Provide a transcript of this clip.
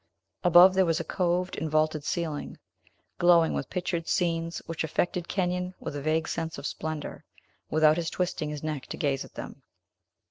Above, there was a coved and vaulted ceiling, glowing with pictured scenes, which affected Kenyon with a vague sense of splendor, without his twisting his neck to gaze at them.